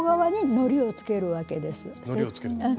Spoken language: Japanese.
のりをつけるんですね。